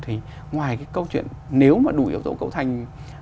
thì ngoài cái câu chuyện nếu mà đủ yếu tố cấu thành